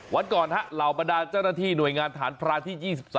วันก่อนเหล่าบรรดาเจ้าหน้าที่หน่วยงานฐานพรานที่๒๒